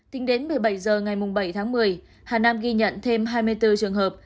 tính đến một mươi bảy h ngày bảy tháng một mươi hà nam ghi nhận thêm hai mươi bốn trường hợp